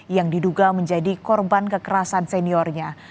yang diduga menjadi korban kekerasan seniornya